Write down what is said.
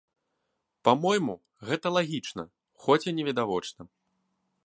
Па-мойму, гэта лагічна, хоць і не відавочна.